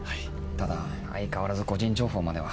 ただ相変わらず個人情報までは。